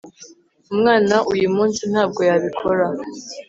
umwana uyumunsi ntabwo yabikora